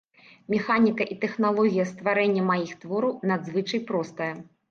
Механіка і тэхналогія стварэння маіх твораў надзвычай простая.